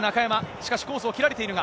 しかし、コースを切られているが。